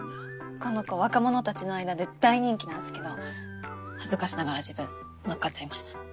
この子若者たちの間で大人気なんすけど恥ずかしながら自分乗っかっちゃいました。